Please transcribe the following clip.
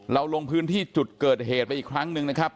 ลงพื้นที่จุดเกิดเหตุไปอีกครั้งหนึ่งนะครับ